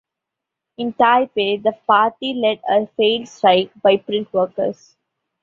In Taipei the party led a failed strike by print workers.